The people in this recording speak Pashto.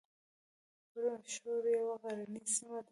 برښور یوه غرنۍ سیمه ده